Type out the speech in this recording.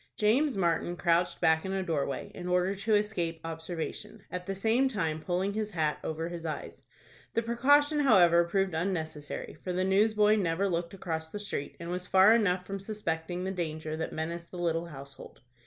James Martin crouched back in a door way, in order to escape observation, at the same time pulling his hat over his eyes. The precaution, however, proved unnecessary, for the newsboy never looked across the street, and was far enough from suspecting the danger that menaced the little household.